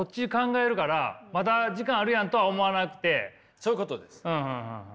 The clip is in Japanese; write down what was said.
そういうことです。